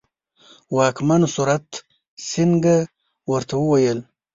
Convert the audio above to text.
واکمن سورت سینګه ورته وویل.